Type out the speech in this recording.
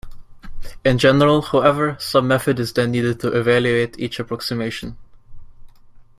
In general, however, some method is then needed to evaluate each approximation.